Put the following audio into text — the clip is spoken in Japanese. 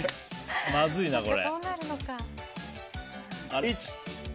まずいな、これ。